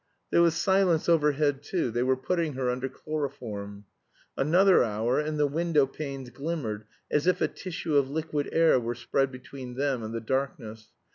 There was silence overhead too. They were putting her under chloroform. Another hour and the window panes glimmered as if a tissue of liquid air were spread between them and the darkness.